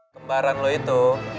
kembaran lo itu